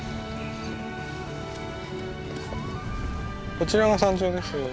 こちらが山頂です。